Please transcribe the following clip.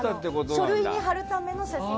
書類に貼るための写真。